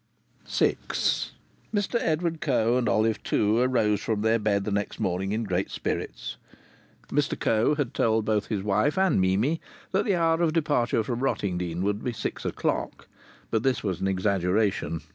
VI Mr Edward Coe and Olive Two arose from their bed the next morning in great spirits. Mr Coe had told both his wife and Mimi that the hour of departure from Rottingdean would be six o'clock. But this was an exaggeration.